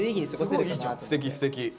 すてきすてき。